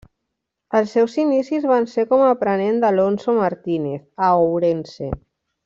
Els seus inicis van ser com aprenent d'Alonso Martínez, a Ourense.